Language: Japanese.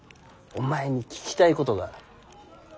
お前に聞きたいことがある。